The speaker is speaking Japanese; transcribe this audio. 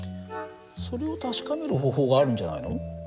それを確かめる方法があるんじゃないの？